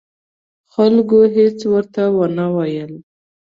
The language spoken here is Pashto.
خلکو هېڅ ورته ونه ویل.